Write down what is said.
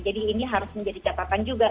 jadi ini harus menjadi catatan juga gitu